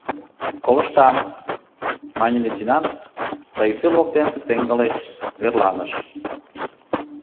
— Колыштам! — мане лейтенант да ӱстел воктенсе теҥгылеш верланыш.